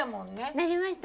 なりました。